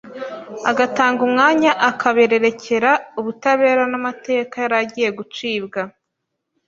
agatanga umwanya akabererekera ubutabera n'amateka yari agiye gucibwa.